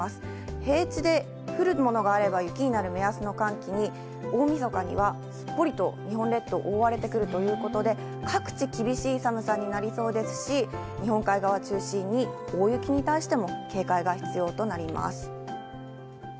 平地で降るものがあれば雪になる目安の寒気に、大みそかにはすっぽりと日本列島、覆われてくるということで、各地厳しい寒さになりそうですし、日本海側中心に大雪に対しても警戒が必要となります。